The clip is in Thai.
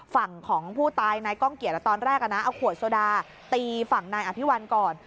ฝั่งของผู้ตายนายก้องเกียจตอนแรกเอาขวดโซดาตีฝั่งนายอภิวัลก่อน